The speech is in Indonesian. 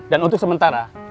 dan untuk sementara